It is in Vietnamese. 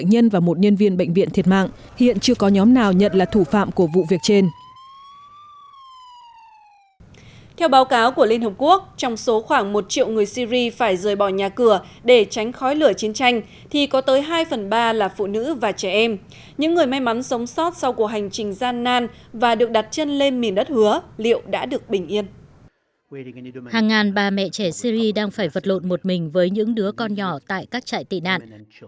hàng ngàn ba mẹ trẻ syri đang phải vật lộn một mình với những đứa con nhỏ tại các trại tị nạn